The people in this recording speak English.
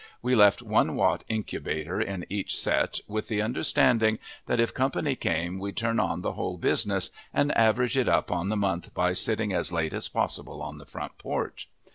We left one watt incubator in each set, with the understanding that if company came we'd turn on the whole business and average it up on the month by sitting as late as possible on the front porch.